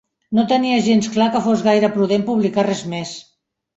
No tenia gens clar que fos gaire prudent publicar res més.